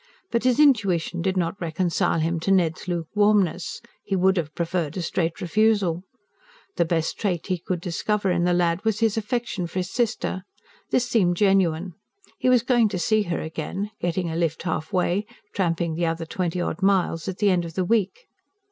But his intuition did not reconcile him to Ned's luke warmness; he would have preferred a straight refusal. The best trait he could discover in the lad was his affection for his sister. This seemed genuine: he was going to see her again getting a lift halfway, tramping the other twenty odd miles at the end of the week.